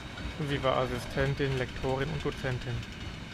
Sie war Assistentin, Lektorin und Dozentin.